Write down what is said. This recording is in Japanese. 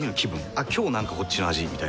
「あっ今日なんかこっちの味」みたいな。